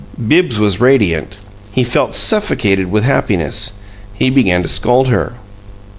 Bibbs was radiant; he felt suffocated with happiness. He began to scold her.